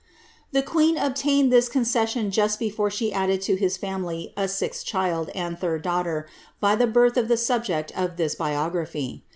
The queen obtained this concession just before she added to his family a sixth child and third daughter, by the birth of the subject of this biography.